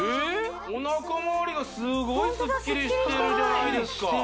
おなか周りがすごいスッキリしてるじゃないですか